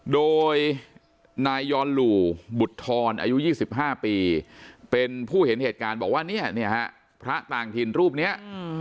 โดยนายยอนหลู่บุตรธรอายุ๒๕ปีเป็นผู้เห็นเหตุการณ์บอกว่าเนี่ยฮะพระต่างถิ่นรูปนี้